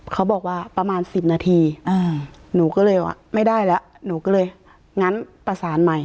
เขาบอกว่าประมาณ๑๐นาทีหนูก็เลยว่าไม่ได้แล้วหนูก็เลยงั้นประสานใหม่